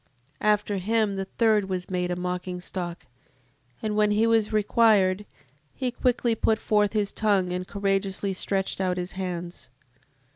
7:10. After him the third was made a mocking stock, and when he was required, he quickly put forth his tongue, and courageously stretched out his hands: 7:11.